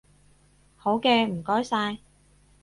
好嘅，唔該晒